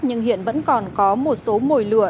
nhưng hiện vẫn còn có một số mồi lửa